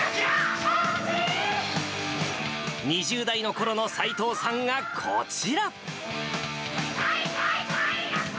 ２０代のころの斎藤さんがこちら。